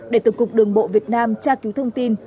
để tổng cục đường bộ việt nam tra cứu thông tin